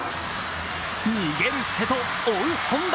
逃げる瀬戸、追う本多。